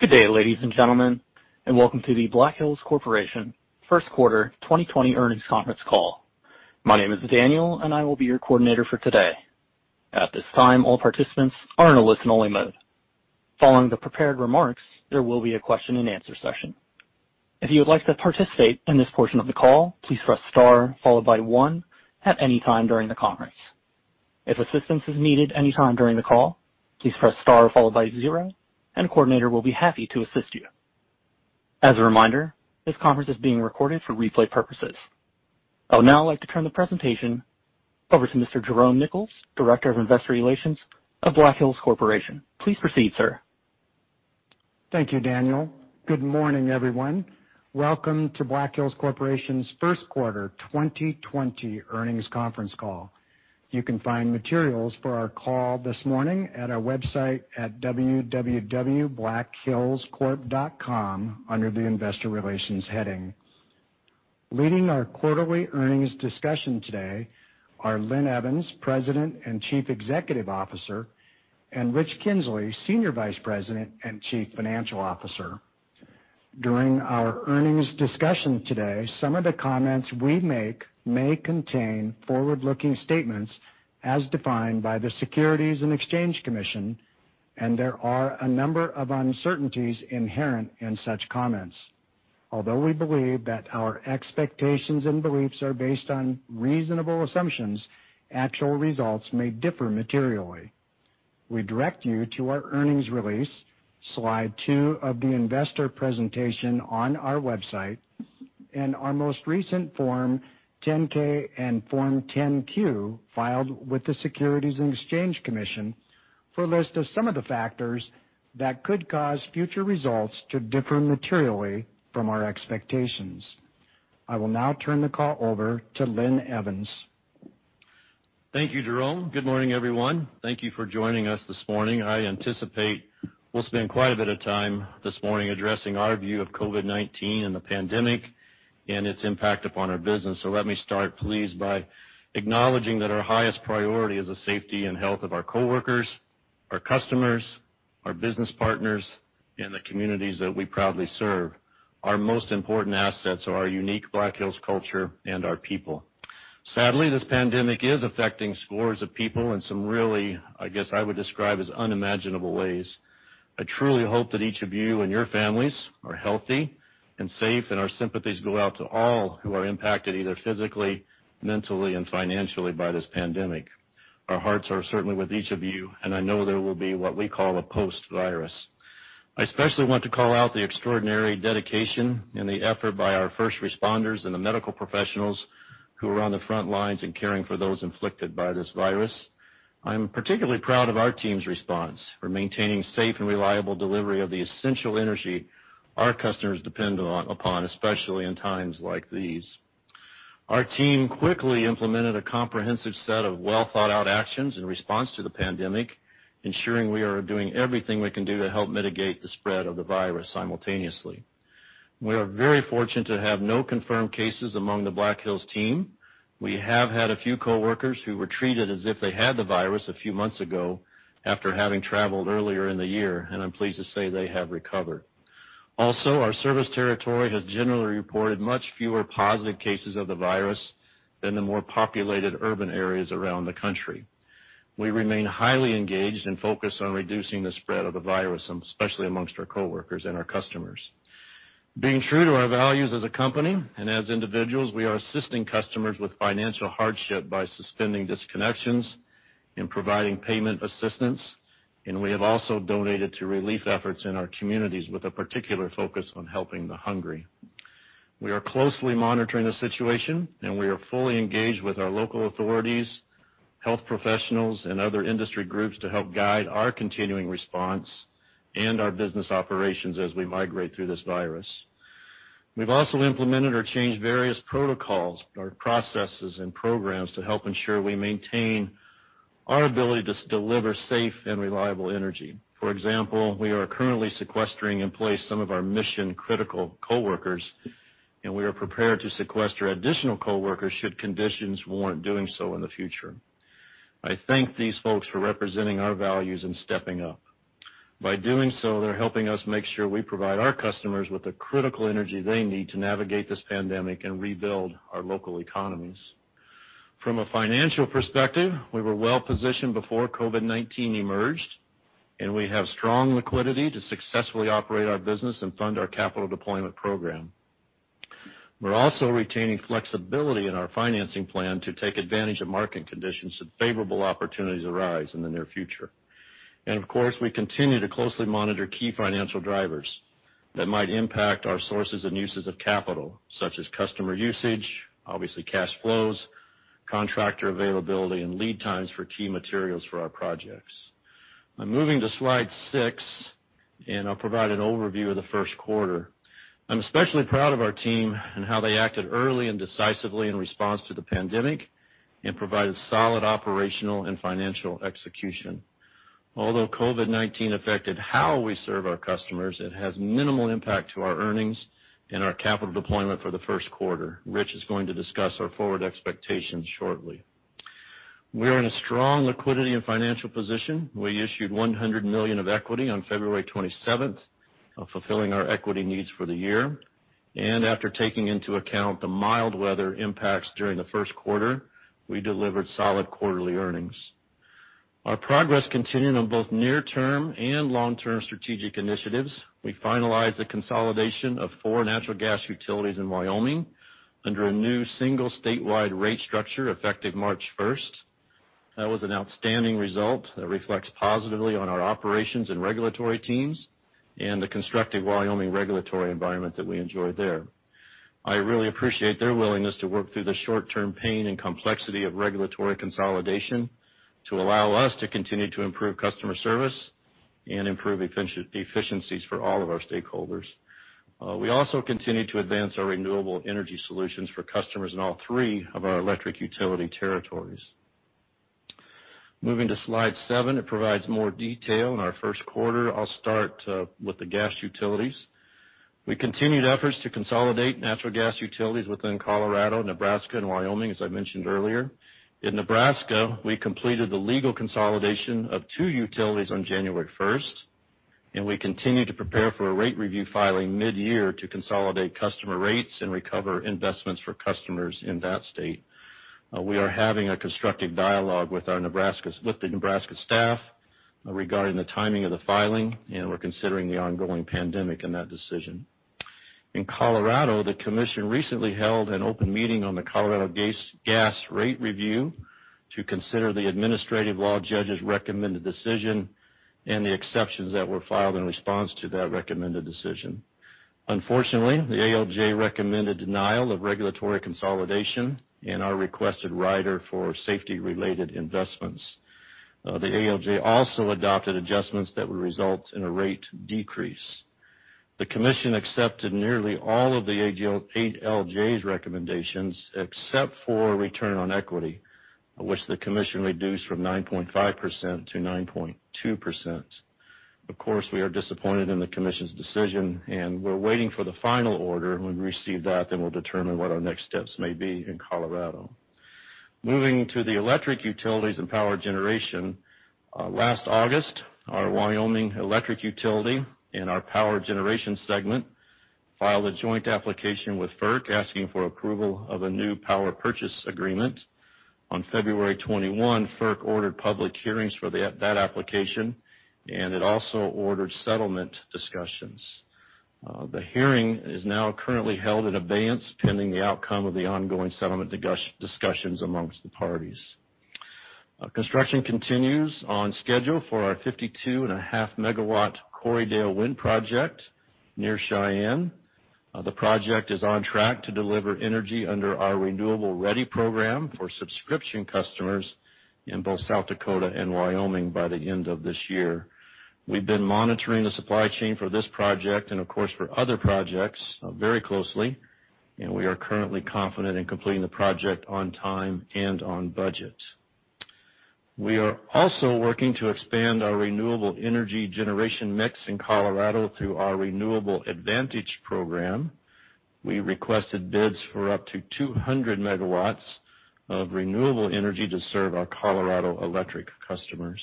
Good day, ladies and gentlemen, welcome to the Black Hills Corporation First Quarter 2020 Earnings Conference Call. My name is Daniel, and I will be your coordinator for today. At this time, all participants are in a listen-only mode. Following the prepared remarks, there will be a question-and-answer session. If you would like to participate in this portion of the call, please press star followed by one at any time during the conference. If assistance is needed any time during the call, please press star followed by zero, and a coordinator will be happy to assist you. As a reminder, this conference is being recorded for replay purposes. I would now like to turn the presentation over to Mr. Jerome Nichols, Director of Investor Relations of Black Hills Corporation. Please proceed, sir. Thank you, Daniel. Good morning, everyone. Welcome to Black Hills Corporation's First Quarter 2020 Earnings Conference Call. You can find materials for our call this morning at our website at www.blackhillscorp.com under the Investor Relations heading. Leading our quarterly earnings discussion today are Linn Evans, President and Chief Executive Officer, and Rich Kinzley, Senior Vice President and Chief Financial Officer. During our earnings discussion today, some of the comments we make may contain forward-looking statements as defined by the Securities and Exchange Commission, and there are a number of uncertainties inherent in such comments. Although we believe that our expectations and beliefs are based on reasonable assumptions, actual results may differ materially. We direct you to our earnings release, slide two of the investor presentation on our website, and our most recent Form 10-K and Form 10-Q filed with the Securities and Exchange Commission for a list of some of the factors that could cause future results to differ materially from our expectations. I will now turn the call over to Linn Evans. Thank you, Jerome. Good morning, everyone. Thank you for joining us this morning. I anticipate we'll spend quite a bit of time this morning addressing our view of COVID-19 and the pandemic and its impact upon our business. Let me start, please, by acknowledging that our highest priority is the safety and health of our coworkers, our customers, our business partners, and the communities that we proudly serve. Our most important assets are our unique Black Hills culture and our people. Sadly, this pandemic is affecting scores of people in some really, I guess I would describe as unimaginable ways. I truly hope that each of you and your families are healthy and safe, and our sympathies go out to all who are impacted, either physically, mentally, and financially by this pandemic. Our hearts are certainly with each of you, and I know there will be what we call a post-virus. I especially want to call out the extraordinary dedication and the effort by our first responders and the medical professionals who are on the front lines and caring for those inflicted by this virus. I'm particularly proud of our team's response for maintaining safe and reliable delivery of the essential energy our customers depend upon, especially in times like these. Our team quickly implemented a comprehensive set of well-thought-out actions in response to the pandemic, ensuring we are doing everything we can do to help mitigate the spread of the virus simultaneously. We are very fortunate to have no confirmed cases among the Black Hills team. We have had a few coworkers who were treated as if they had the virus a few months ago after having traveled earlier in the year, and I'm pleased to say they have recovered. Our service territory has generally reported much fewer positive cases of the virus than the more populated urban areas around the country. We remain highly engaged and focused on reducing the spread of the virus, especially amongst our coworkers and our customers. Being true to our values as a company and as individuals, we are assisting customers with financial hardship by suspending disconnections and providing payment assistance, and we have also donated to relief efforts in our communities with a particular focus on helping the hungry. We are closely monitoring the situation, and we are fully engaged with our local authorities, health professionals, and other industry groups to help guide our continuing response and our business operations as we migrate through this virus. We've also implemented or changed various protocols, processes, and programs to help ensure we maintain our ability to deliver safe and reliable energy. For example, we are currently sequestering in place some of our mission-critical coworkers, and we are prepared to sequester additional coworkers should conditions warrant doing so in the future. I thank these folks for representing our values and stepping up. By doing so, they're helping us make sure we provide our customers with the critical energy they need to navigate this pandemic and rebuild our local economies. From a financial perspective, we were well-positioned before COVID-19 emerged, and we have strong liquidity to successfully operate our business and fund our capital deployment program. We're also retaining flexibility in our financing plan to take advantage of market conditions should favorable opportunities arise in the near future. Of course, we continue to closely monitor key financial drivers that might impact our sources and uses of capital, such as customer usage, obviously cash flows, contractor availability, and lead times for key materials for our projects. I'm moving to slide six, and I'll provide an overview of the first quarter. I'm especially proud of our team and how they acted early and decisively in response to the pandemic and provided solid operational and financial execution. Although COVID-19 affected how we serve our customers, it has minimal impact to our earnings and our capital deployment for the first quarter. Rich is going to discuss our forward expectations shortly. We are in a strong liquidity and financial position. We issued $100 million of equity on February 27th, fulfilling our equity needs for the year. After taking into account the mild weather impacts during the first quarter, we delivered solid quarterly earnings. Our progress continuing on both near-term and long-term strategic initiatives, we finalized the consolidation of four natural Gas Utilities in Wyoming under a new single statewide rate structure effective March 1st. That was an outstanding result that reflects positively on our operations and regulatory teams and the constructive Wyoming regulatory environment that we enjoy there. I really appreciate their willingness to work through the short-term pain and complexity of regulatory consolidation to allow us to continue to improve customer service and improve efficiencies for all of our stakeholders. We also continue to advance our renewable energy solutions for customers in all three of our electric utility territories. Moving to slide seven, it provides more detail on our first quarter. I'll start with the Gas utilities. We continued efforts to consolidate natural Gas Utilities within Colorado, Nebraska, and Wyoming, as I mentioned earlier. In Nebraska, we completed the legal consolidation of two utilities on January 1st, and we continue to prepare for a rate review filing mid-year to consolidate customer rates and recover investments for customers in that state. We are having a constructive dialogue with the Nebraska staff regarding the timing of the filing, and we're considering the ongoing pandemic in that decision. In Colorado, the commission recently held an open meeting on the Colorado gas rate review to consider the administrative law judge's recommended decision and the exceptions that were filed in response to that recommended decision. The ALJ recommended denial of regulatory consolidation and our requested rider for safety-related investments. The ALJ also adopted adjustments that would result in a rate decrease. The commission accepted nearly all of the ALJ's recommendations, except for return on equity, which the commission reduced from 9.5% to 9.2%. We are disappointed in the commission's decision, and we're waiting for the final order. We receive that, then we'll determine what our next steps may be in Colorado. Moving to the Electric Utilities and Power Generation, last August our Wyoming electric utility and our Power Generation segment filed a joint application with FERC asking for approval of a new power purchase agreement. On February 21, FERC ordered public hearings for that application, and it also ordered settlement discussions. The hearing is now currently held in abeyance pending the outcome of the ongoing settlement discussions amongst the parties. Construction continues on schedule for our 52.5 MW Corriedale Wind Energy Project near Cheyenne. The project is on track to deliver energy under our Renewable Ready program for subscription customers in both South Dakota and Wyoming by the end of this year. We've been monitoring the supply chain for this project and, of course, for other projects very closely, and we are currently confident in completing the project on time and on budget. We are also working to expand our renewable energy generation mix in Colorado through our Renewable Advantage program. We requested bids for up to 200 MW of renewable energy to serve our Colorado Electric customers.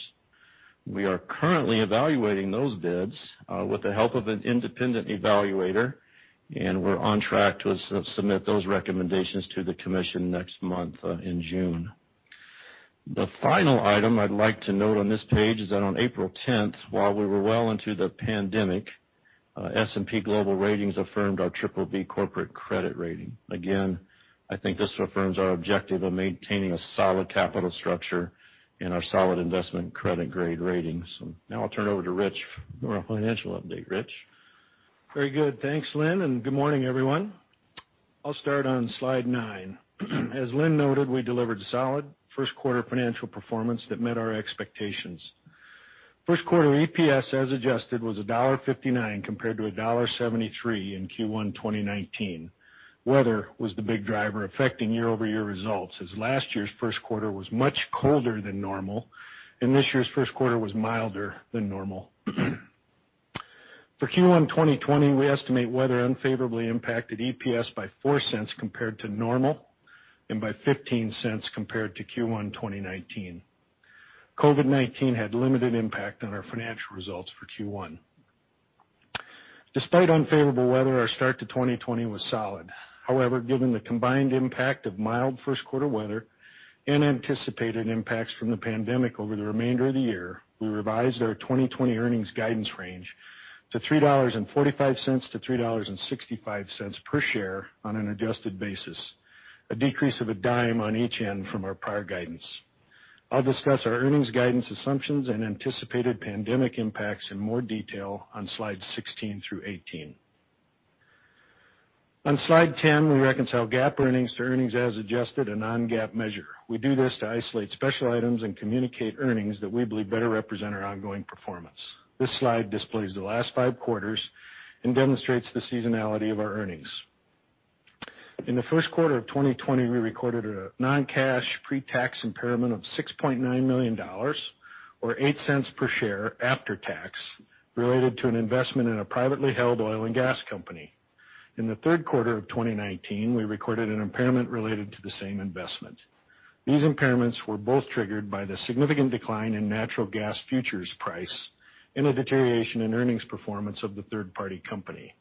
We are currently evaluating those bids with the help of an independent evaluator, and we're on track to submit those recommendations to the commission next month in June. The final item I'd like to note on this page is that on April 10th, while we were well into the pandemic, S&P Global Ratings affirmed our BBB corporate credit rating. Again, I think this affirms our objective of maintaining a solid capital structure and our solid investment credit grade ratings. Now I'll turn over to Rich for our financial update. Rich? Very good. Thanks, Linn, and good morning, everyone. I'll start on slide nine. As Linn noted, we delivered solid first quarter financial performance that met our expectations. First quarter EPS, as adjusted, was $1.59, compared to $1.73 in Q1 2019. Weather was the big driver affecting year-over-year results, as last year's first quarter was much colder than normal and this year's first quarter was milder than normal. For Q1 2020, we estimate weather unfavorably impacted EPS by $0.04 compared to normal and by $0.15 compared to Q1 2019. COVID-19 had limited impact on our financial results for Q1. Despite unfavorable weather, our start to 2020 was solid. Given the combined impact of mild first quarter weather and anticipated impacts from the pandemic over the remainder of the year, we revised our 2020 earnings guidance range to $3.45-$3.65 per share on an adjusted basis, a decrease of $0.10 on each end from our prior guidance. I'll discuss our earnings guidance assumptions and anticipated pandemic impacts in more detail on slides 16-18. On slide 10, we reconcile GAAP earnings to earnings as adjusted a non-GAAP measure. We do this to isolate special items and communicate earnings that we believe better represent our ongoing performance. This slide displays the last five quarters and demonstrates the seasonality of our earnings. In the first quarter of 2020, we recorded a non-cash pre-tax impairment of $6.9 million or $0.08 per share after tax, related to an investment in a privately held oil and gas company. In the third quarter of 2019, we recorded an impairment related to the same investment. These impairments were both triggered by the significant decline in natural gas futures price and a deterioration in earnings performance of the third-party company.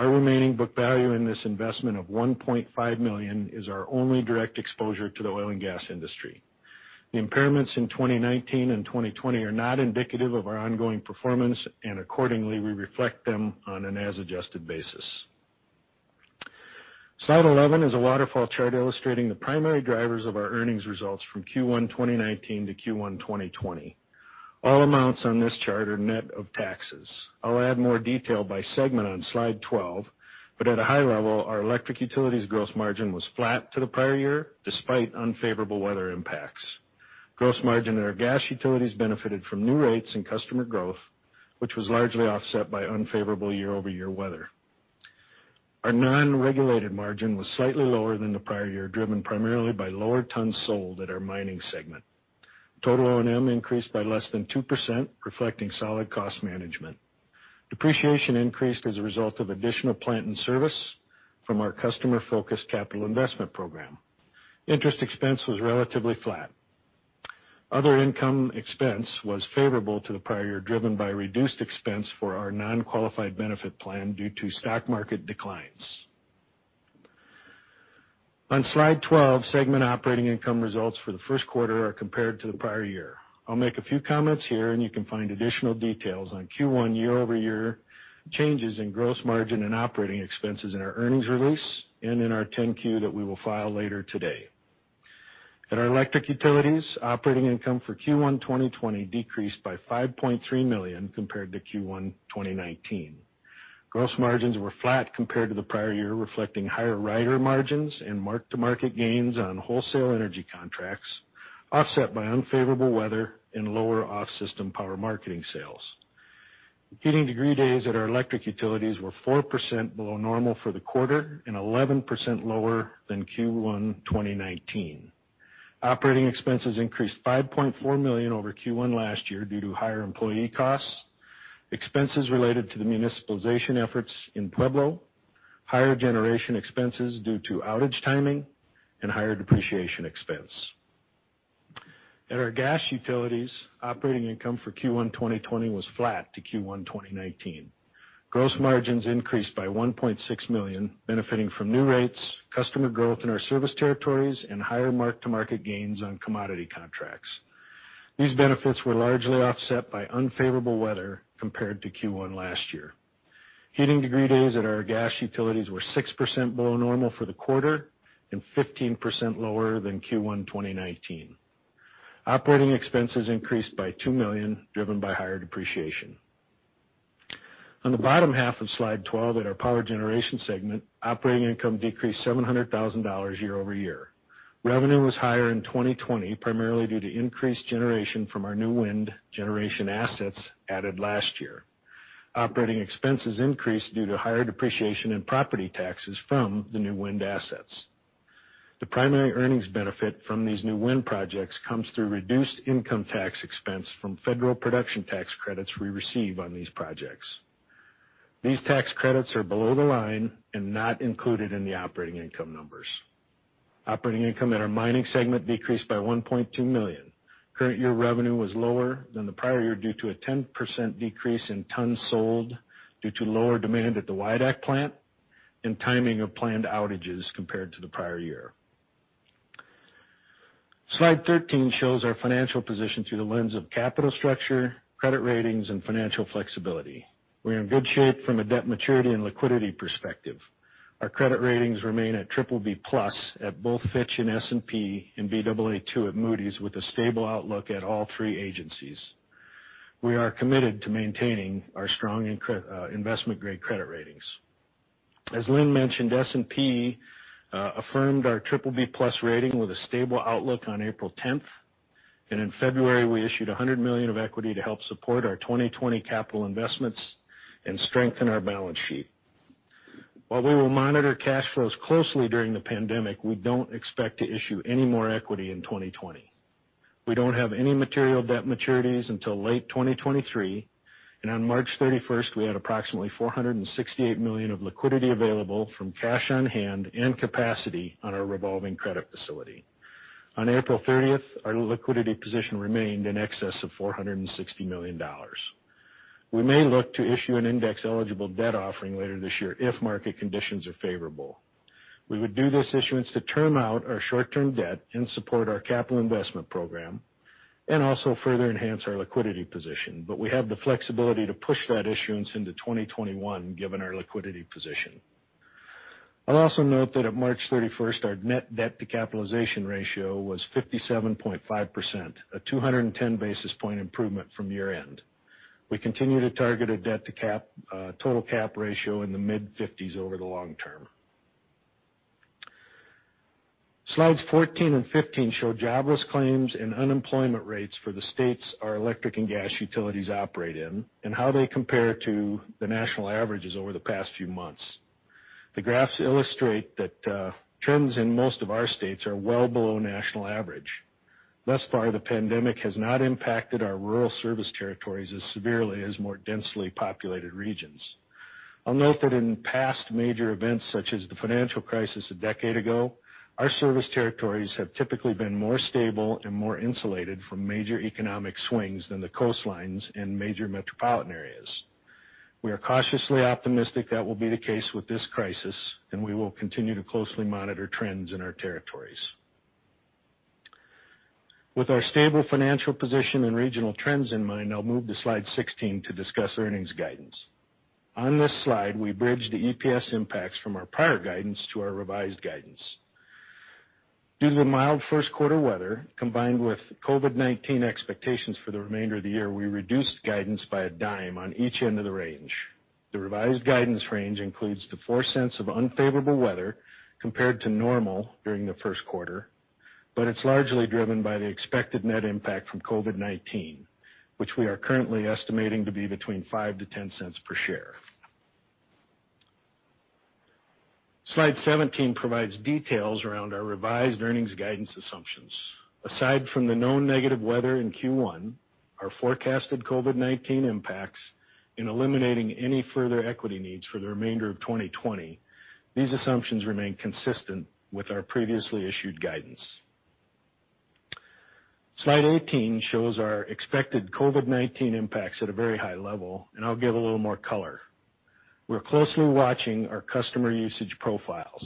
Our remaining book value in this investment of $1.5 million is our only direct exposure to the oil and gas industry. The impairments in 2019 and 2020 are not indicative of our ongoing performance, and accordingly, we reflect them on an as adjusted basis. Slide 11 is a waterfall chart illustrating the primary drivers of our earnings results from Q1 2019 to Q1 2020. All amounts on this chart are net of taxes. I'll add more detail by segment on slide 12, but at a high level, our Electric Utilities gross margin was flat to the prior year despite unfavorable weather impacts. Gross margin at our Gas Utilities benefited from new rates and customer growth, which was largely offset by unfavorable year-over-year weather. Our non-regulated margin was slightly lower than the prior year, driven primarily by lower tons sold at our Mining segment. Total O&M increased by less than 2%, reflecting solid cost management. Depreciation increased as a result of additional plant and service from our customer-focused capital investment program. Interest expense was relatively flat. Other income expense was favorable to the prior year, driven by reduced expense for our non-qualified benefit plan due to stock market declines. On slide 12, segment operating income results for the first quarter are compared to the prior year. I'll make a few comments here, and you can find additional details on Q1 year-over-year changes in gross margin and operating expenses in our earnings release and in our 10-Q that we will file later today. At our Electric Utilities, operating income for Q1 2020 decreased by $5.3 million compared to Q1 2019. Gross margins were flat compared to the prior year, reflecting higher rider margins and mark-to-market gains on wholesale energy contracts, offset by unfavorable weather and lower off-system power marketing sales. Heating degree days at our Electric Utilities were 4% below normal for the quarter and 11% lower than Q1 2019. Operating expenses increased $5.4 million over Q1 last year due to higher employee costs, expenses related to the municipalization efforts in Pueblo, higher generation expenses due to outage timing, and higher depreciation expense. At our Gas Utilities, operating income for Q1 2020 was flat to Q1 2019. Gross margins increased by $1.6 million, benefiting from new rates, customer growth in our service territories, and higher mark-to-market gains on commodity contracts. These benefits were largely offset by unfavorable weather compared to Q1 last year. Heating degree days at our Gas Utilities were 6% below normal for the quarter and 15% lower than Q1 2019. Operating expenses increased by $2 million, driven by higher depreciation. On the bottom half of slide 12, at our Power Generation segment, operating income decreased $700,000 year-over-year. Revenue was higher in 2020, primarily due to increased generation from our new wind generation assets added last year. Operating expenses increased due to higher depreciation in property taxes from the new wind assets. The primary earnings benefit from these new wind projects comes through reduced income tax expense from federal production tax credits we receive on these projects. These tax credits are below the line and not included in the operating income numbers. Operating income at our Mining segment decreased by $1.2 million. Current year revenue was lower than the prior year due to a 10% decrease in tons sold due to lower demand at the Wyodak Plant and timing of planned outages compared to the prior year. Slide 13 shows our financial position through the lens of capital structure, credit ratings, and financial flexibility. We're in good shape from a debt maturity and liquidity perspective. Our credit ratings remain at BBB+ at both Fitch and S&P, and Baa2 at Moody's, with a stable outlook at all three agencies. We are committed to maintaining our strong investment-grade credit ratings. As Linn mentioned, S&P affirmed our BBB+ rating with a stable outlook on April 10th, and in February, we issued $100 million of equity to help support our 2020 capital investments and strengthen our balance sheet. While we will monitor cash flows closely during the pandemic, we don't expect to issue any more equity in 2020. We don't have any material debt maturities until late 2023, and on March 31st, we had approximately $468 million of liquidity available from cash on hand and capacity on our revolving credit facility. On April 30th, our liquidity position remained in excess of $460 million. We may look to issue an index-eligible debt offering later this year if market conditions are favorable. We would do this issuance to term out our short-term debt and support our capital investment program, and also further enhance our liquidity position. We have the flexibility to push that issuance into 2021 given our liquidity position. I'd also note that at March 31st, our net debt-to-capitalization ratio was 57.5%, a 210-basis-point improvement from year-end. We continue to target a debt-to-total cap ratio in the mid-50%s over the long term. Slides 14 and 15 show jobless claims and unemployment rates for the states our Electric and Gas Utilities operate in and how they compare to the national averages over the past few months. The graphs illustrate that trends in most of our states are well below national average. Thus far, the pandemic has not impacted our rural service territories as severely as more densely populated regions. I'll note that in past major events, such as the financial crisis a decade ago, our service territories have typically been more stable and more insulated from major economic swings than the coastlines in major metropolitan areas. We are cautiously optimistic that will be the case with this crisis, and we will continue to closely monitor trends in our territories. With our stable financial position and regional trends in mind, I'll move to slide 16 to discuss earnings guidance. On this slide, we bridge the EPS impacts from our prior guidance to our revised guidance. Due to the mild first quarter weather, combined with COVID-19 expectations for the remainder of the year, we reduced guidance by a dime on each end of the range. The revised guidance range includes the $0.04 of unfavorable weather compared to normal during the first quarter, but it's largely driven by the expected net impact from COVID-19, which we are currently estimating to be between $0.05-$0.10 per share. Slide 17 provides details around our revised earnings guidance assumptions. Aside from the known negative weather in Q1, our forecasted COVID-19 impacts in eliminating any further equity needs for the remainder of 2020, these assumptions remain consistent with our previously issued guidance. Slide 18 shows our expected COVID-19 impacts at a very high level. I'll give a little more color. We're closely watching our customer usage profiles.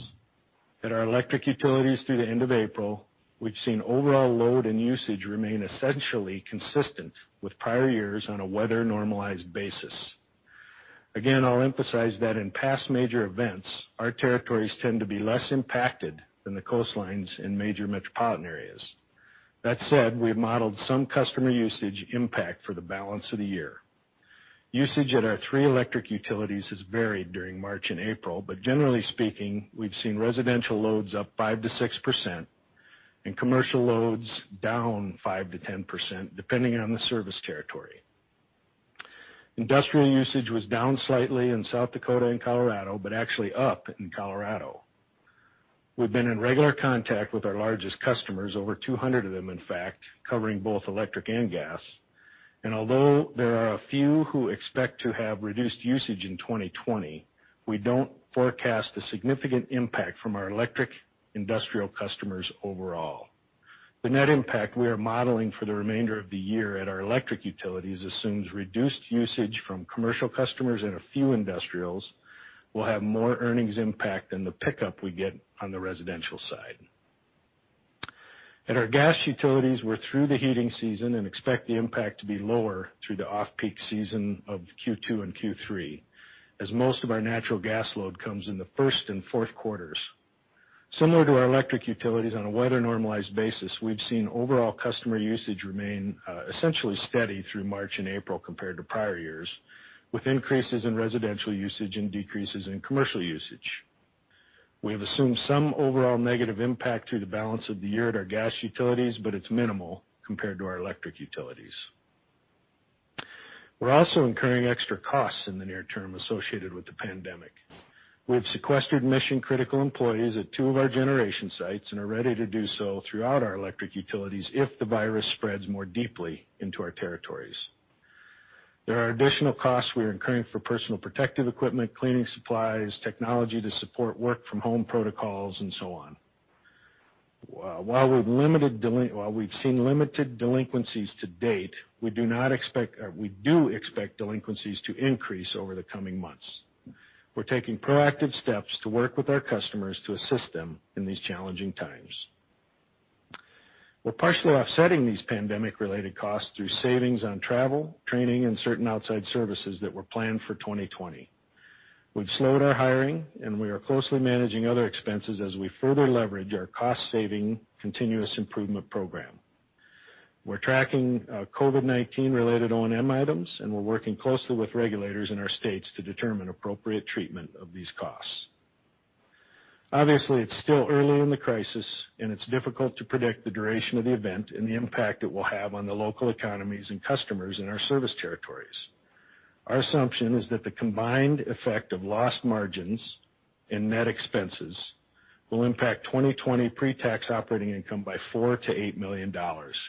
At our Electric Utilities through the end of April, we've seen overall load and usage remain essentially consistent with prior years on a weather-normalized basis. Again, I'll emphasize that in past major events, our territories tend to be less impacted than the coastlines in major metropolitan areas. That said, we've modeled some customer usage impact for the balance of the year. Usage at our three Electric Utilities has varied during March and April. Generally speaking, we've seen residential loads up 5%-6% and commercial loads down 5%-10%, depending on the service territory. Industrial usage was down slightly in South Dakota and Colorado, but actually up in Colorado. We've been in regular contact with our largest customers, over 200 of them, in fact, covering both electric and gas. Although there are a few who expect to have reduced usage in 2020, we don't forecast a significant impact from our electric industrial customers overall. The net impact we are modeling for the remainder of the year at our Electric Utilities assumes reduced usage from commercial customers and a few industrials will have more earnings impact than the pickup we get on the residential side. At our Gas Utilities, we're through the heating season and expect the impact to be lower through the off-peak season of Q2 and Q3, as most of our natural gas load comes in the first and fourth quarters. Similar to our Electric Utilities, on a weather-normalized basis, we've seen overall customer usage remain essentially steady through March and April compared to prior years, with increases in residential usage and decreases in commercial usage. We have assumed some overall negative impact through the balance of the year at our Gas Utilities, but it's minimal compared to our Electric Utilities. We are also incurring extra costs in the near term associated with the pandemic. We have sequestered mission-critical employees at two of our generation sites and are ready to do so throughout our Electric Utilities if the virus spreads more deeply into our territories. There are additional costs we are incurring for personal protective equipment, cleaning supplies, technology to support work-from-home protocols, and so on. While we've seen limited delinquencies to date, we do expect delinquencies to increase over the coming months. We're taking proactive steps to work with our customers to assist them in these challenging times. We're partially offsetting these pandemic-related costs through savings on travel, training, and certain outside services that were planned for 2020. We've slowed our hiring, and we are closely managing other expenses as we further leverage our cost-saving continuous improvement program. We're tracking COVID-19 related O&M items, and we're working closely with regulators in our states to determine appropriate treatment of these costs. Obviously, it's still early in the crisis, and it's difficult to predict the duration of the event and the impact it will have on the local economies and customers in our service territories. Our assumption is that the combined effect of lost margins and net expenses will impact 2020 pre-tax operating income by $4 million-$8 million,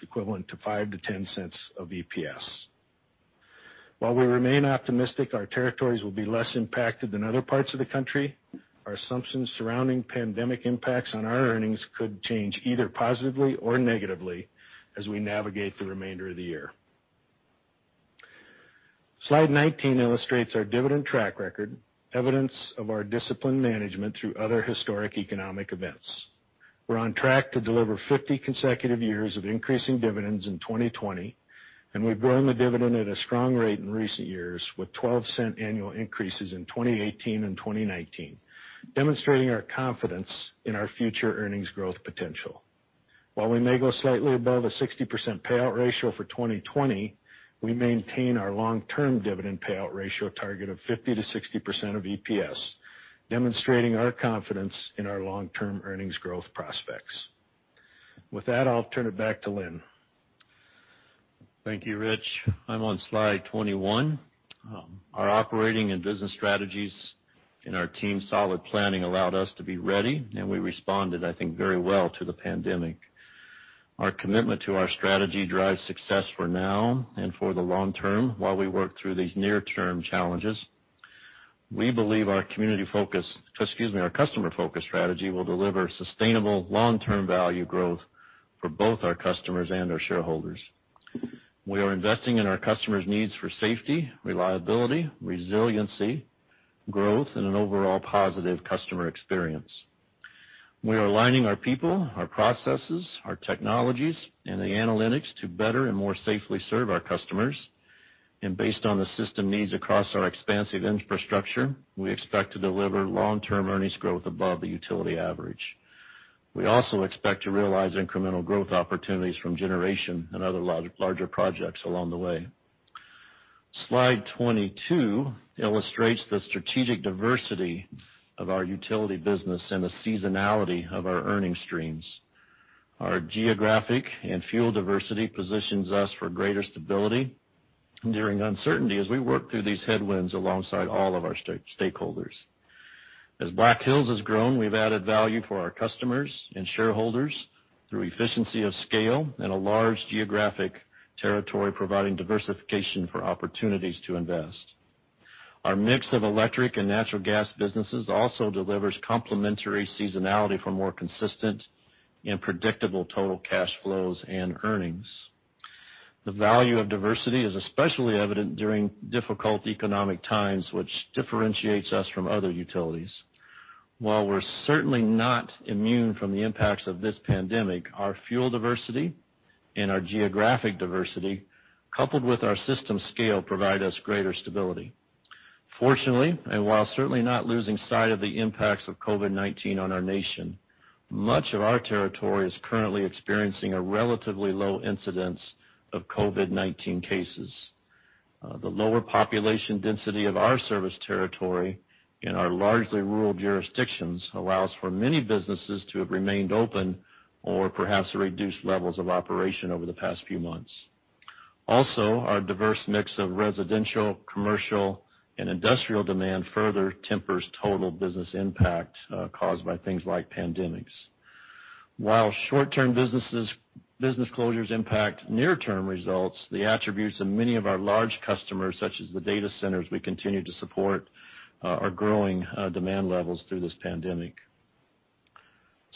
equivalent to $0.05-$0.10 of EPS. While we remain optimistic our territories will be less impacted than other parts of the country, our assumptions surrounding pandemic impacts on our earnings could change either positively or negatively as we navigate the remainder of the year. Slide 19 illustrates our dividend track record, evidence of our disciplined management through other historic economic events. We're on track to deliver 50 consecutive years of increasing dividends in 2020, and we've grown the dividend at a strong rate in recent years, with $0.12 annual increases in 2018 and 2019, demonstrating our confidence in our future earnings growth potential. While we may go slightly above a 60% payout ratio for 2020, we maintain our long-term dividend payout ratio target of 50%-60% of EPS, demonstrating our confidence in our long-term earnings growth prospects. With that, I'll turn it back to Linn. Thank you, Rich. I'm on slide 21. Our operating and business strategies and our team's solid planning allowed us to be ready, and we responded, I think, very well to the pandemic. Our commitment to our strategy drives success for now and for the long term, while we work through these near-term challenges. We believe our customer-focused strategy will deliver sustainable long-term value growth for both our customers and our shareholders. We are investing in our customers' needs for safety, reliability, resiliency, growth, and an overall positive customer experience. We are aligning our people, our processes, our technologies, and the analytics to better and more safely serve our customers. Based on the system needs across our expansive infrastructure, we expect to deliver long-term earnings growth above the utility average. We also expect to realize incremental growth opportunities from generation and other larger projects along the way. Slide 22 illustrates the strategic diversity of our utility business and the seasonality of our earning streams. Our geographic and fuel diversity positions us for greater stability during uncertainty as we work through these headwinds alongside all of our stakeholders. As Black Hills has grown, we've added value for our customers and shareholders through efficiency of scale and a large geographic territory providing diversification for opportunities to invest. Our mix of electric and natural gas businesses also delivers complementary seasonality for more consistent and predictable total cash flows and earnings. The value of diversity is especially evident during difficult economic times, which differentiates us from other utilities. While we're certainly not immune from the impacts of this pandemic, our fuel diversity and our geographic diversity, coupled with our system scale, provide us greater stability. Fortunately, while certainly not losing sight of the impacts of COVID-19 on our nation, much of our territory is currently experiencing a relatively low incidence of COVID-19 cases. The lower population density of our service territory in our largely rural jurisdictions allows for many businesses to have remained open or perhaps reduced levels of operation over the past few months. Our diverse mix of residential, commercial, and industrial demand further tempers total business impact caused by things like pandemics. While short-term business closures impact near-term results, the attributes of many of our large customers, such as the data centers we continue to support, are growing demand levels through this pandemic.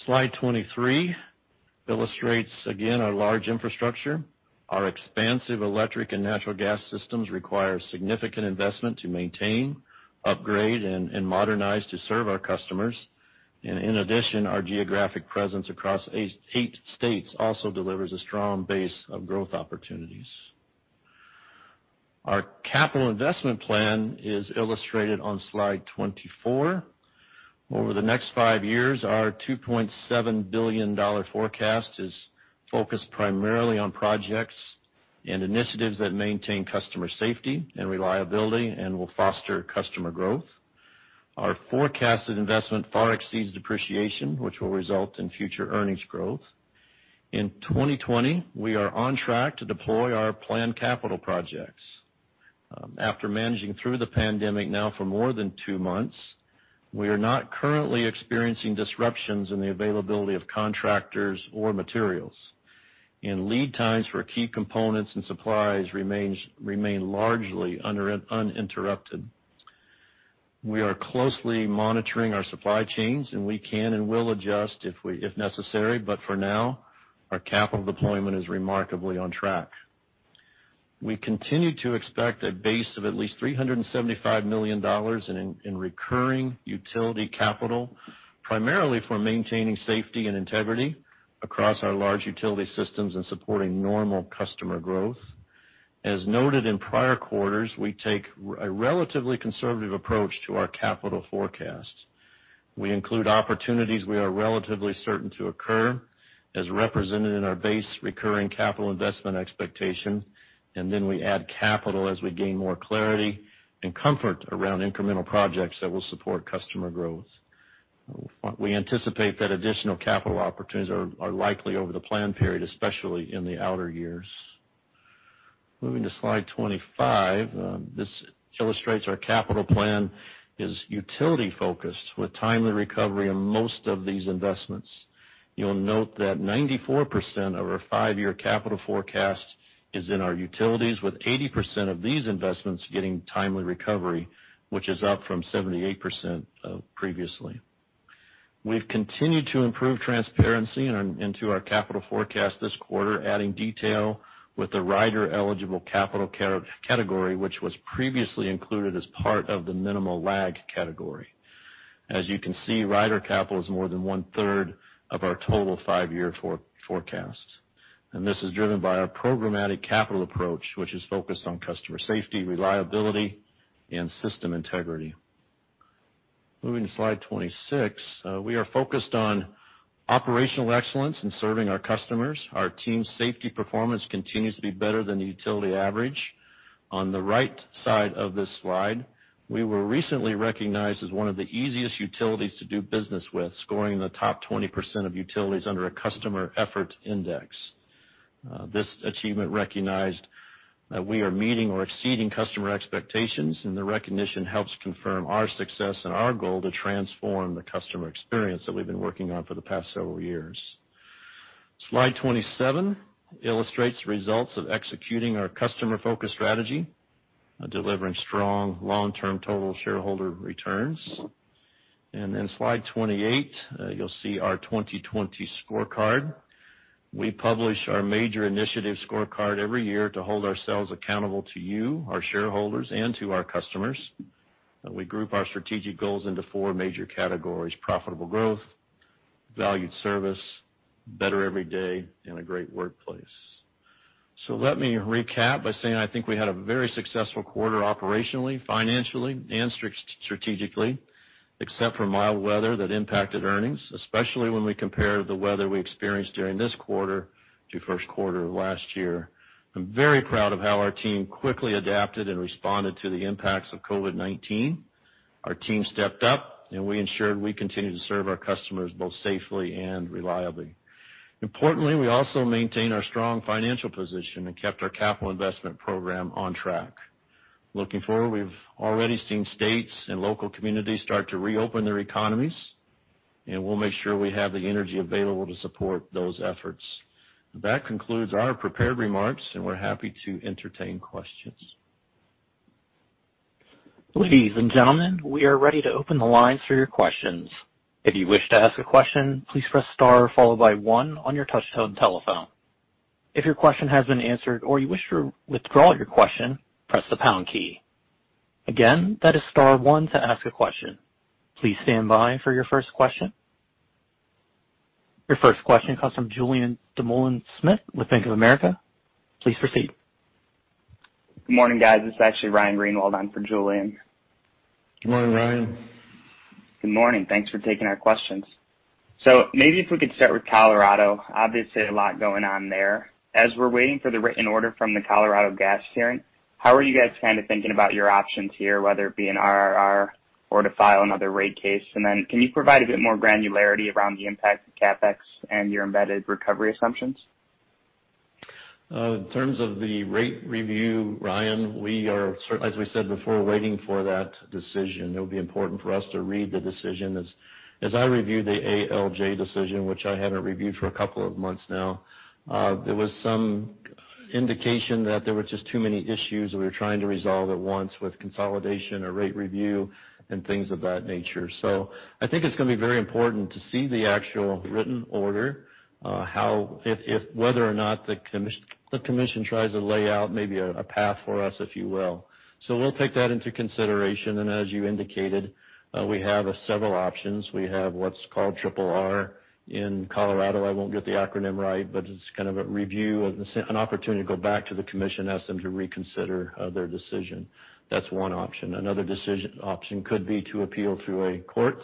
Slide 23 illustrates again our large infrastructure. Our expansive electric and natural gas systems require significant investment to maintain, upgrade, and modernize to serve our customers. In addition, our geographic presence across eight states also delivers a strong base of growth opportunities. Our capital investment plan is illustrated on slide 24. Over the next five years, our $2.7 billion forecast is focused primarily on projects and initiatives that maintain customer safety and reliability and will foster customer growth. Our forecasted investment far exceeds depreciation, which will result in future earnings growth. In 2020, we are on track to deploy our planned capital projects. After managing through the pandemic now for more than two months, we are not currently experiencing disruptions in the availability of contractors or materials. Lead times for key components and supplies remain largely uninterrupted. We are closely monitoring our supply chains, and we can and will adjust if necessary, but for now, our capital deployment is remarkably on track. We continue to expect a base of at least $375 million in recurring utility capital, primarily for maintaining safety and integrity across our large utility systems and supporting normal customer growth. As noted in prior quarters, we take a relatively conservative approach to our capital forecast. We include opportunities we are relatively certain to occur, as represented in our base recurring capital investment expectation, and then we add capital as we gain more clarity and comfort around incremental projects that will support customer growth. We anticipate that additional capital opportunities are likely over the plan period, especially in the outer years. Moving to slide 25. This illustrates our capital plan is utility-focused, with timely recovery of most of these investments. You'll note that 94% of our five-year capital forecast is in our utilities, with 80% of these investments getting timely recovery, which is up from 78% previously. We've continued to improve transparency into our capital forecast this quarter, adding detail with the rider-eligible capital category, which was previously included as part of the minimal lag category. As you can see, rider capital is more than one-third of our total five-year forecast. This is driven by our programmatic capital approach, which is focused on customer safety, reliability, and system integrity. Moving to slide 26. We are focused on operational excellence in serving our customers. Our team's safety performance continues to be better than the utility average. On the right side of this slide, we were recently recognized as one of the easiest utilities to do business with, scoring in the top 20% of utilities under a Customer Effort Index. This achievement recognized that we are meeting or exceeding customer expectations, and the recognition helps confirm our success and our goal to transform the customer experience that we've been working on for the past several years. Slide 27 illustrates results of executing our customer-focused strategy, delivering strong long-term total shareholder returns. In slide 28, you'll see our 2020 scorecard. We publish our major initiative scorecard every year to hold ourselves accountable to you, our shareholders, and to our customers. We group our strategic goals into four major categories: profitable growth, valued service, better every day, and a great workplace. Let me recap by saying I think we had a very successful quarter operationally, financially, and strategically, except for mild weather that impacted earnings, especially when we compare the weather we experienced during this quarter to first quarter of last year. I'm very proud of how our team quickly adapted and responded to the impacts of COVID-19. Our team stepped up, and we ensured we continued to serve our customers both safely and reliably. Importantly, we also maintained our strong financial position and kept our capital investment program on track. Looking forward, we've already seen states and local communities start to reopen their economies, and we'll make sure we have the energy available to support those efforts. That concludes our prepared remarks, and we're happy to entertain questions. Ladies and gentlemen, we are ready to open the lines for your questions. If you wish to ask a question, please press star followed by one on your touchtone telephone. If your question has been answered or you wish to withdraw your question, press the pound key. Again, that is star one to ask a question. Please stand by for your first question. Your first question comes from Julien Dumoulin-Smith with Bank of America. Please proceed. Good morning, guys. This is actually Ryan Greenwald on for Julien. Good morning, Ryan. Good morning. Thanks for taking our questions. Maybe if we could start with Colorado. Obviously, a lot going on there. As we're waiting for the written order from the Colorado gas hearing, how are you guys kind of thinking about your options here, whether it be an RRR or to file another rate case? Can you provide a bit more granularity around the impact to CapEx and your embedded recovery assumptions? In terms of the rate review, Ryan, we are, as we said before, waiting for that decision. It'll be important for us to read the decision. As I reviewed the ALJ decision, which I haven't reviewed for a couple of months now, there was some indication that there were just too many issues that we were trying to resolve at once with consolidation or rate review and things of that nature. I think it's going to be very important to see the actual written order, whether or not the commission tries to lay out maybe a path for us, if you will. We'll take that into consideration, and as you indicated, we have several options. We have what's called RRR in Colorado. I won't get the acronym right, but it's kind of a review of an opportunity to go back to the commission and ask them to reconsider their decision. That's one option. Another option could be to appeal through a court.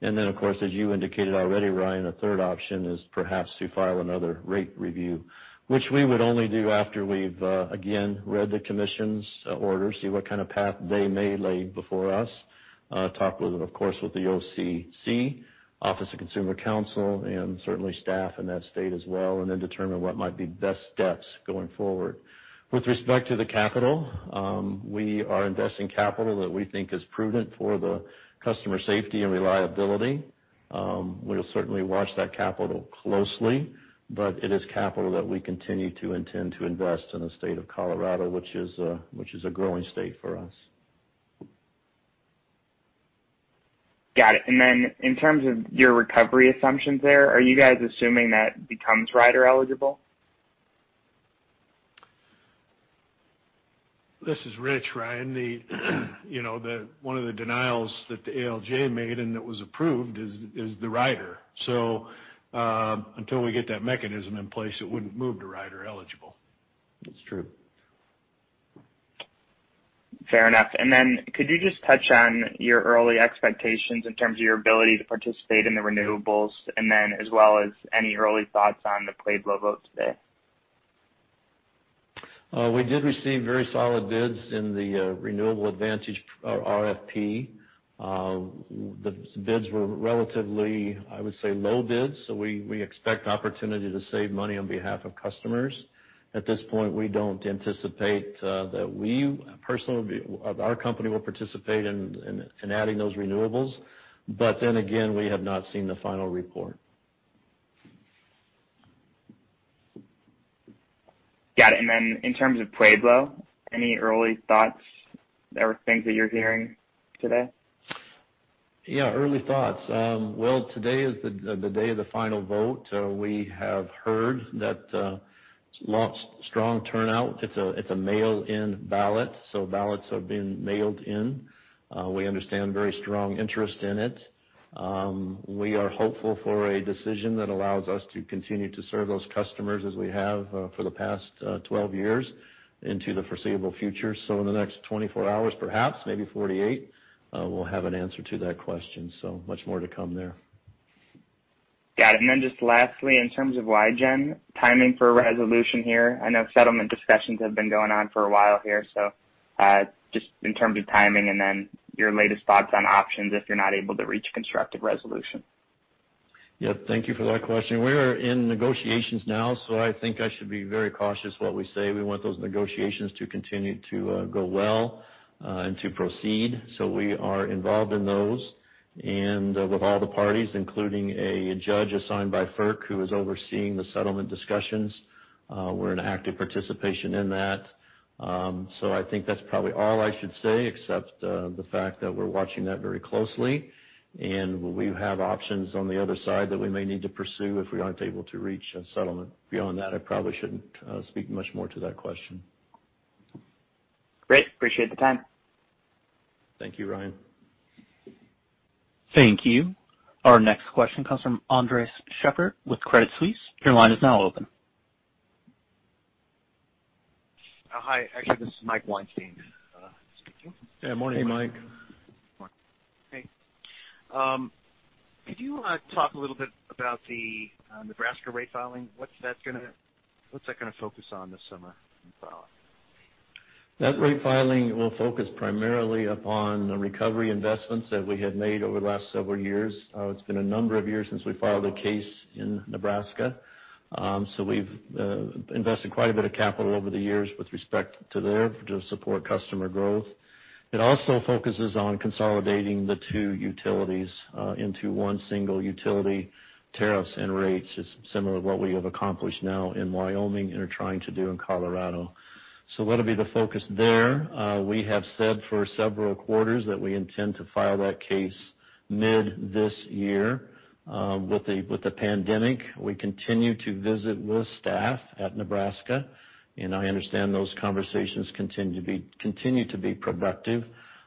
Of course, as you indicated already, Ryan, a third option is perhaps to file another rate review, which we would only do after we've, again, read the commission's order, see what kind of path they may lay before us, talk with, of course, with the OCC, Office of Consumer Counsel, and certainly staff in that state as well, and then determine what might be best steps going forward. With respect to the capital, we are investing capital that we think is prudent for the customer safety and reliability. We'll certainly watch that capital closely, but it is capital that we continue to intend to invest in the state of Colorado, which is a growing state for us. Got it. Then in terms of your recovery assumptions there, are you guys assuming that becomes rider-eligible? This is Rich, Ryan. One of the denials that the ALJ made and that was approved is the rider. Until we get that mechanism in place, it wouldn't move to rider-eligible. That's true. Fair enough. Could you just touch on your early expectations in terms of your ability to participate in the renewables, as well as any early thoughts on the Pueblo vote today? We did receive very solid bids in the Renewable Advantage RFP. The bids were relatively, I would say, low bids. We expect opportunity to save money on behalf of customers. At this point, we don't anticipate that our company will participate in adding those renewables. Again, we have not seen the final report. Got it. In terms of Pueblo, any early thoughts or things that you're hearing today? Yeah, early thoughts. Well, today is the day of the final vote. We have heard that strong turnout. It's a mail-in ballot. Ballots have been mailed in. We understand very strong interest in it. We are hopeful for a decision that allows us to continue to serve those customers as we have for the past 12 years into the foreseeable future. In the next 24 hours perhaps, maybe 48, we'll have an answer to that question. Much more to come there. Got it. Then just lastly, in terms of Wygen, timing for a resolution here. I know settlement discussions have been going on for a while here, so just in terms of timing, and then your latest thoughts on options if you're not able to reach constructive resolution. Yeah. Thank you for that question. We are in negotiations now, so I think I should be very cautious what we say. We want those negotiations to continue to go well and to proceed. We are involved in those and with all the parties, including a judge assigned by FERC who is overseeing the settlement discussions. We're in active participation in that. I think that's probably all I should say except the fact that we're watching that very closely, and we have options on the other side that we may need to pursue if we aren't able to reach a settlement. Beyond that, I probably shouldn't speak much more to that question. Great. Appreciate the time. Thank you, Ryan. Thank you. Our next question comes from Andres Sheppard with Credit Suisse. Your line is now open. Hi. Actually, this is Mike Weinstein speaking. Yeah. Morning, Mike. Morning. Hey. Could you talk a little bit about the Nebraska rate filing? What's that going to focus on this summer in the filing? That rate filing will focus primarily upon the recovery investments that we had made over the last several years. It's been a number of years since we filed a case in Nebraska. We've invested quite a bit of capital over the years with respect to there to support customer growth. It also focuses on consolidating the two utilities into one single utility tariffs and rates. It's similar to what we have accomplished now in Wyoming and are trying to do in Colorado. That'll be the focus there. We have said for several quarters that we intend to file that case mid this year. With the pandemic, we continue to visit with staff at Nebraska, and I understand those conversations continue to be productive.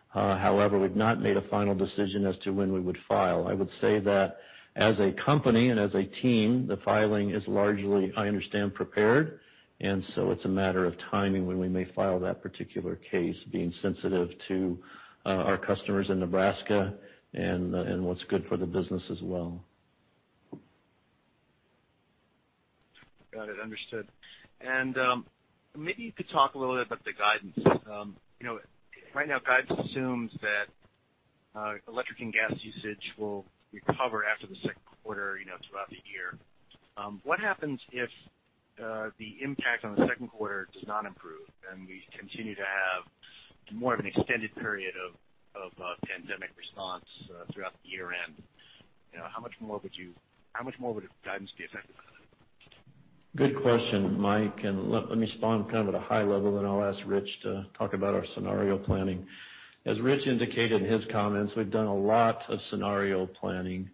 However, we've not made a final decision as to when we would file. I would say that as a company and as a team, the filing is largely, I understand, prepared, and so it's a matter of timing when we may file that particular case, being sensitive to our customers in Nebraska and what's good for the business as well. Got it. Understood. Maybe you could talk a little bit about the guidance. Right now, guidance assumes that electric and gas usage will recover after the second quarter throughout the year. What happens if the impact on the second quarter does not improve, and we continue to have more of an extended period of pandemic response throughout the year-end? How much more would the guidance be affected by that? Good question, Mike. Let me respond kind of at a high level, then I'll ask Rich to talk about our scenario planning. As Rich indicated in his comments, we've done a lot of scenario planning.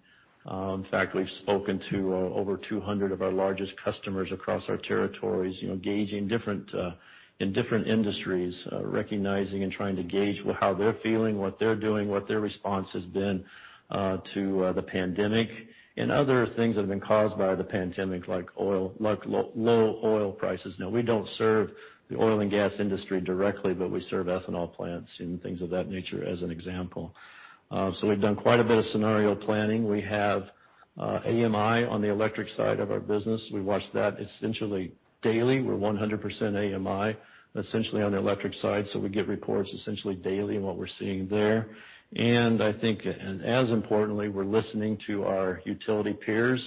In fact, we've spoken to over 200 of our largest customers across our territories, engaging in different industries, recognizing and trying to gauge how they're feeling, what they're doing, what their response has been to the pandemic and other things that have been caused by the pandemic, like low oil prices. We don't serve the oil and gas industry directly, but we serve ethanol plants and things of that nature as an example. We've done quite a bit of scenario planning. We have AMI on the electric side of our business. We watch that essentially daily. We're 100% AMI essentially on the electric side. We get reports essentially daily on what we're seeing there. I think, as importantly, we're listening to our utility peers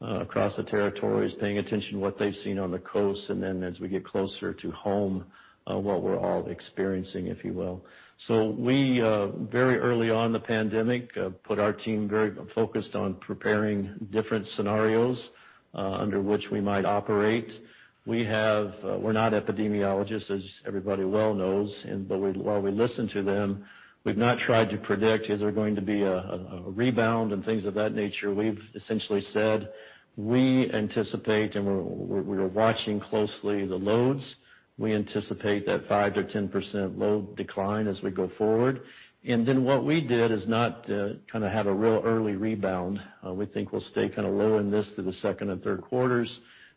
across the territories, paying attention to what they've seen on the coast, and then as we get closer to home, what we're all experiencing, if you will. We, very early on in the pandemic, put our team very focused on preparing different scenarios under which we might operate. We're not epidemiologists, as everybody well knows. While we listen to them, we've not tried to predict, is there going to be a rebound and things of that nature. We've essentially said we anticipate and we are watching closely the loads. We anticipate that 5%-10% load decline as we go forward. Then what we did is not kind of have a real early rebound. We think we'll stay kind of low in this through the second and third quarters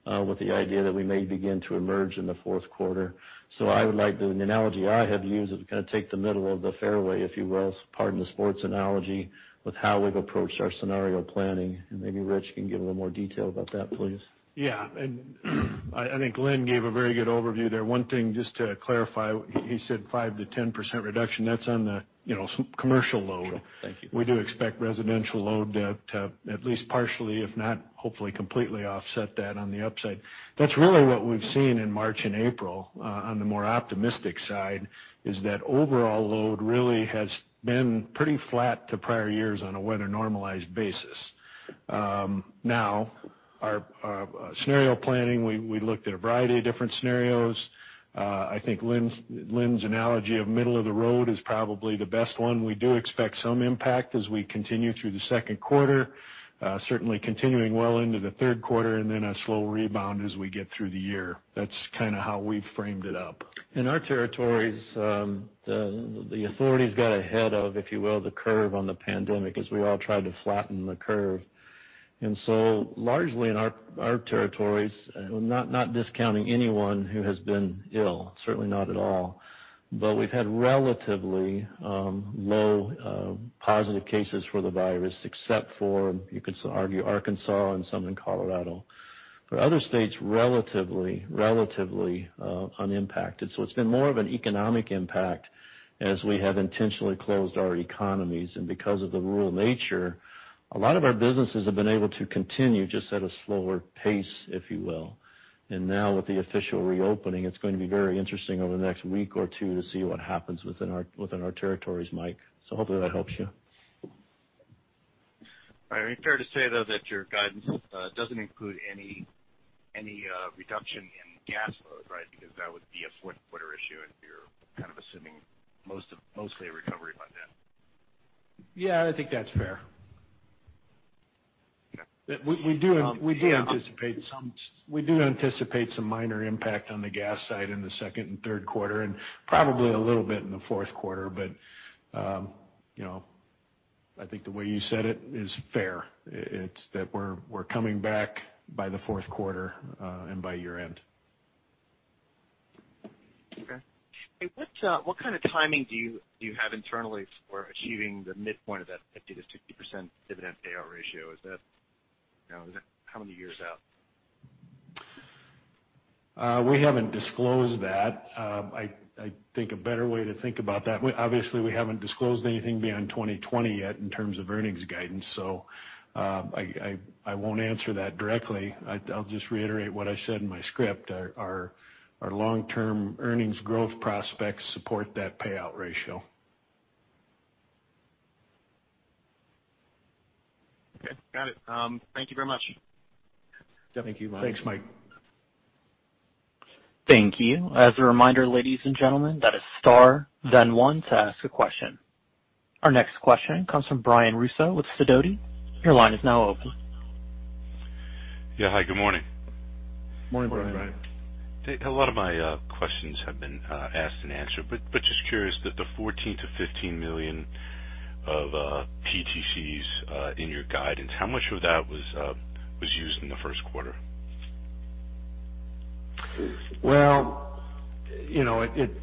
with the idea that we may begin to emerge in the fourth quarter. I would like the analogy I have used is kind of take the middle of the fairway, if you will, pardon the sports analogy, with how we've approached our scenario planning. Maybe Rich can give a little more detail about that, please. Yeah. I think Linn gave a very good overview there. One thing just to clarify, he said 5%-10% reduction. That's on the commercial load. Sure. Thank you. We do expect residential load to at least partially, if not hopefully, completely offset that on the upside. That's really what we've seen in March and April on the more optimistic side, is that overall load really has been pretty flat to prior years on a weather-normalized basis. Our scenario planning, we looked at a variety of different scenarios. I think Linn's analogy of middle of the road is probably the best one. We do expect some impact as we continue through the second quarter, certainly continuing well into the third quarter and then a slow rebound as we get through the year. That's kind of how we framed it up. In our territories, the authorities got ahead of, if you will, the curve on the pandemic as we all tried to flatten the curve. Largely in our territories, not discounting anyone who has been ill, certainly not at all, but we've had relatively low positive cases for the virus, except for, you could argue, Arkansas and some in Colorado. For other states, relatively unimpacted. It's been more of an economic impact as we have intentionally closed our economies. Because of the rural nature, a lot of our businesses have been able to continue just at a slower pace, if you will. Now with the official reopening, it's going to be very interesting over the next week or two to see what happens within our territories, Mike. Hopefully that helps you. All right. Fair to say, though, that your guidance doesn't include any reduction in gas load, right? That would be a fourth quarter issue if you're assuming mostly a recovery by then. Yeah, I think that's fair. Okay. We do anticipate some minor impact on the gas side in the second and third quarter, and probably a little bit in the fourth quarter. I think the way you said it is fair. It's that we're coming back by the fourth quarter, and by year-end. Okay. What kind of timing do you have internally for achieving the midpoint of that 50%-60% dividend payout ratio? How many years out? We haven't disclosed that. I think a better way to think about that, obviously, we haven't disclosed anything beyond 2020 yet in terms of earnings guidance. I won't answer that directly. I'll just reiterate what I said in my script. Our long-term earnings growth prospects support that payout ratio. Okay. Got it. Thank you very much. Yeah. Thank you, Mike. Thanks, Mike. Thank you. As a reminder, ladies and gentlemen, that is star then one to ask a question. Our next question comes from Brian Russo with Sidoti. Your line is now open. Yeah. Hi, good morning. Morning, Brian. Morning, Brian. A lot of my questions have been asked and answered, just curious that the $14 million-$15 million of PTCs in your guidance, how much of that was used in the first quarter?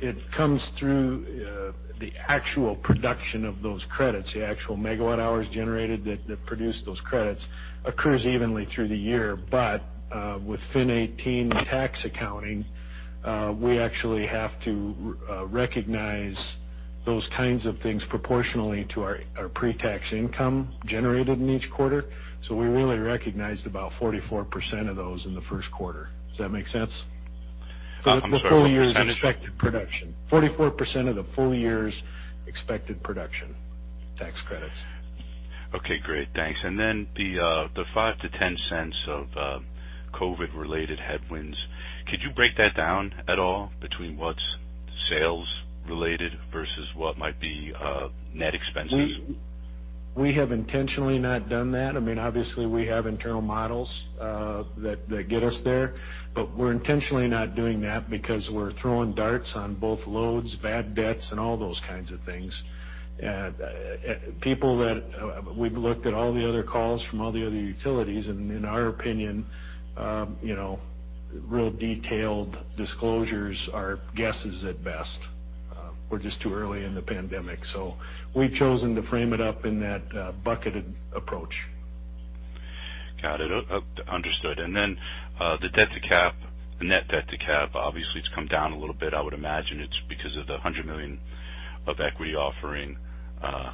It comes through the actual production of those credits. The actual megawatt hours generated that produce those credits occurs evenly through the year. With FIN 18 tax accounting, we actually have to recognize those kinds of things proportionally to our pre-tax income generated in each quarter. We really recognized about 44% of those in the first quarter. Does that make sense? I'm sorry, what was the percentage? 44% of the full year's expected production tax credits. Okay, great. Thanks. Then the $0.05-$0.10 of COVID-related headwinds, could you break that down at all between what's sales related versus what might be net expenses? We have intentionally not done that. Obviously, we have internal models that get us there. We're intentionally not doing that because we're throwing darts on both loads, bad debts, and all those kinds of things. We've looked at all the other calls from all the other utilities, and in our opinion, real detailed disclosures are guesses at best. We're just too early in the pandemic. We've chosen to frame it up in that bucketed approach. Got it. Understood. The net debt to cap, obviously, it's come down a little bit. I would imagine it's because of the $100 million of equity offering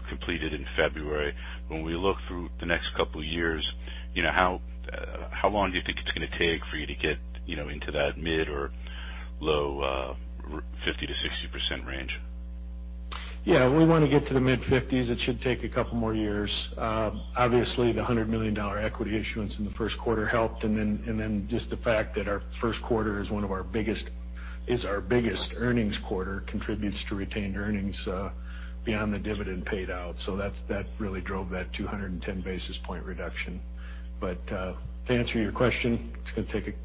completed in February. When we look through the next couple of years, how long do you think it's going to take for you to get into that mid or low 50%-60% range? Yeah. We want to get to the mid-50%s. It should take a couple more years. Obviously, the $100 million equity issuance in the first quarter helped, and then just the fact that our first quarter is our biggest earnings quarter contributes to retained earnings beyond the dividend paid out. That really drove that 210 basis point reduction. To answer your question, it's going to take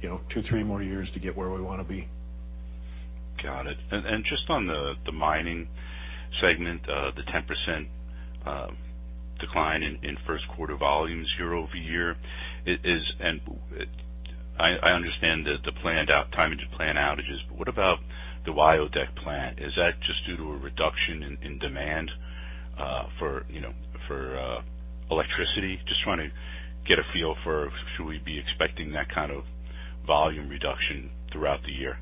two, three more years to get where we want to be. Got it. Just on the mining segment, the 10% decline in first quarter volumes year-over-year. I understand the timing to plan outages, but what about the Wyodak Power Plant? Is that just due to a reduction in demand for electricity? Just trying to get a feel for should we be expecting that kind of volume reduction throughout the year?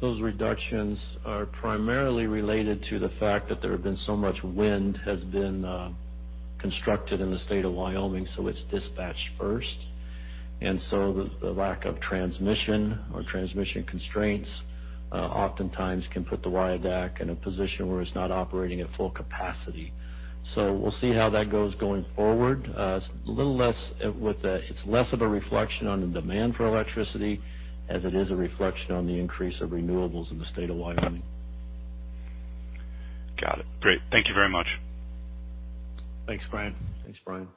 Those reductions are primarily related to the fact that there has been so much wind has been constructed in the state of Wyoming, so it's dispatched first. The lack of transmission or transmission constraints oftentimes can put the Wyodak in a position where it's not operating at full capacity. We'll see how that goes going forward. It's less of a reflection on the demand for electricity as it is a reflection on the increase of renewables in the state of Wyoming. Got it. Great. Thank you very much. Thanks, Brian. Thanks, Brian.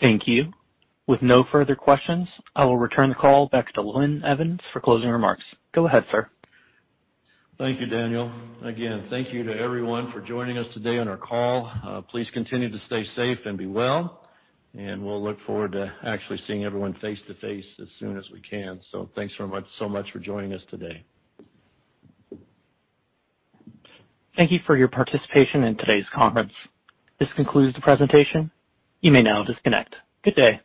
Thank you. With no further questions, I will return the call back to Linn Evans for closing remarks. Go ahead, sir. Thank you, Daniel. Again, thank you to everyone for joining us today on our call. Please continue to stay safe and be well, and we'll look forward to actually seeing everyone face-to-face as soon as we can. Thanks so much for joining us today. Thank you for your participation in today's conference. This concludes the presentation. You may now disconnect. Good day.